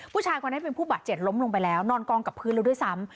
ผู้ชายคนนั้นเป็นผู้บาดเจ็บล้มลงไปแล้วนอนกองกับพื้นแล้วด้วยซ้ำ